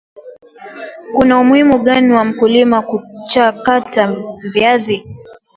kuna umuhimu gani wa mkulima kuchakata viazi